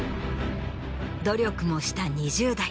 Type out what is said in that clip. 努力もした２０代。